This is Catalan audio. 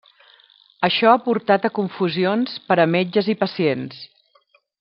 Això ha portat a confusions per a metges i pacients.